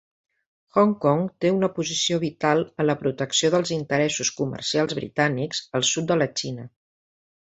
Hong Kong té una posició vital en la protecció dels interessos comercials britànics al sud de la Xina.